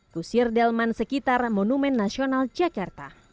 kusir delman sekitar monumen nasional jakarta